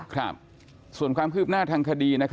ครับส่วนความคืบหน้าทางคดี